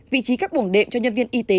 vị trí các buồng đệm cho nhân viên y tế